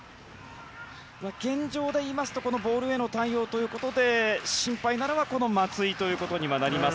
現状でいうとボールへの対応ということで心配なのは松井ということにはなります。